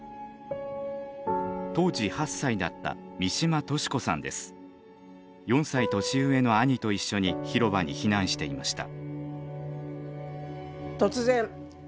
当時８歳だった４歳年上の兄と一緒に広場に避難していました。